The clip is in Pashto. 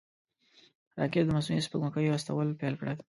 راکټ د مصنوعي سپوږمکیو استول پیل کړل